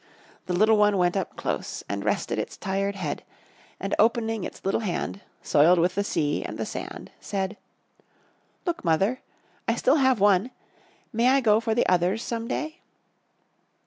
The little one went up close and rested its tired head; and opening its little hand, soiled with the sea and the sand, said: "Look, mother, I still have one. May I go for the others some day?"